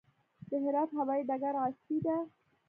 د هرات هوايي ډګر عصري دی